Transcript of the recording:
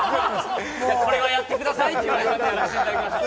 これはやってくださいって言われたからやらせていただきました